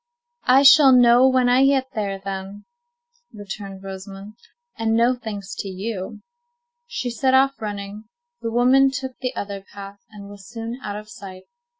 "I shall know when I get there, then," returned Rosamond, "and no thanks to you." She set off running. The woman took the other path, and was soon out of sight.